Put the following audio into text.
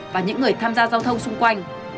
và những người tham gia giao thông xung quanh